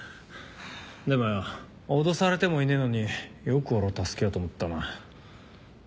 でもよ脅されてもいねえのによく俺を助けようと思ったな。